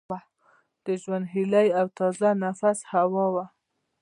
د ژوند هیلي او تازه نفس هوا وه